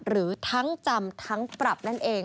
หรือทั้งจำทั้งปรับนั่นเอง